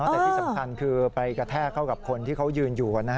แต่ที่สำคัญคือไปกระแทกเข้ากับคนที่เขายืนอยู่